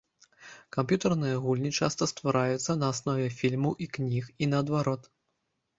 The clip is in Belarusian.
Камп'ютарныя гульні часта ствараюцца на аснове фільмаў і кніг, і наадварот.